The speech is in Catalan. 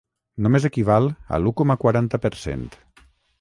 Només equival a l’u coma quaranta per cent.